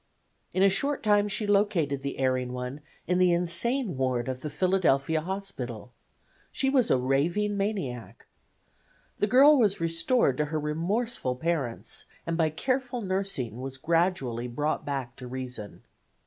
In a short time she located the erring one in the insane ward of the Philadelphia Hospital. She was a raving maniac. The girl was restored to her remorseful parents, and by careful nursing was gradually brought back to reason.